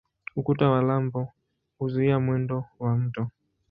Ukuta wa lambo huzuia mwendo wa mto.